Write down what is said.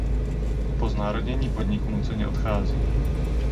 Po znárodnění podniku nuceně odchází.